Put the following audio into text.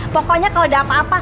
pokoknya kalau udah apa apa